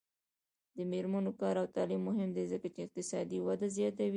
د میرمنو کار او تعلیم مهم دی ځکه چې اقتصادي وده زیاتوي.